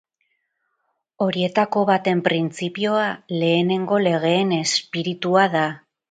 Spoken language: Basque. Horietako baten printzipioa lehenengo legeen espiritua da.